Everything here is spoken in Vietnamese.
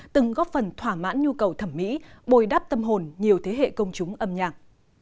từng góp phần thỏa mãn nhu cầu thẩm mỹ bồi đắp tâm hồn nhiều thế hệ công chúng âm nhạc